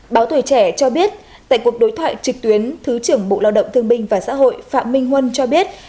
báo tuổi trẻ cho biết tại cuộc đối thoại trực tuyến thứ trưởng bộ lao động thương binh và xã hội phạm minh huân cho biết